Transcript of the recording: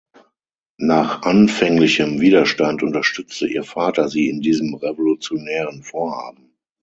Nach anfänglichem Widerstand unterstützte ihr Vater sie in diesem revolutionären Vorhaben.